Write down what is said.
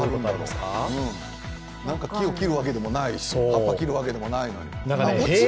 なんか木を切るわけでもない、葉っぱを切るわけでもないのに。